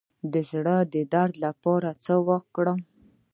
د زړه د درد لپاره باید څه وکړم؟